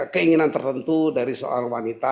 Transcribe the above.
keinginan tertentu dari seorang wanita